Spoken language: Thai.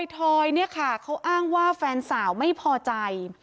ทอยเนี่ยค่ะเขาอ้างว่าแฟนสาวไม่พอใจ